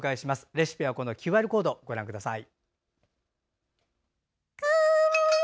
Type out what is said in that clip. レシピはこのＱＲコードをご覧ください。